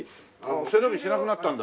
背伸びしなくなったんだ。